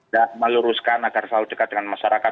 dan meluruskan agar selalu dekat dengan masyarakat